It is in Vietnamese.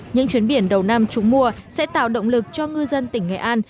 những chuyến biển đầu năm chúng mua sẽ tạo động lực cho ngư dân tỉnh nghệ an